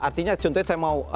artinya contohnya saya mau